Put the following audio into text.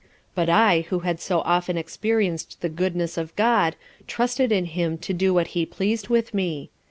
But I who had so often experienced the Goodness of GOD, trusted in Him to do what He pleased with me.